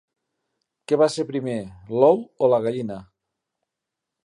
Què va ser primer, l'ou o la gallina?